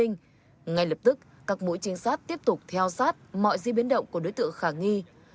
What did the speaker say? ngay lập tức các mũi trinh sát tiếp tục theo sát mọi di biến động của đối tượng khả nghi